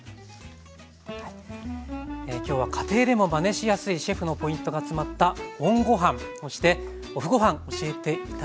今日は家庭でもまねしやすいシェフのポイントが詰まったＯＮごはんそしてＯＦＦごはん教えて頂きました。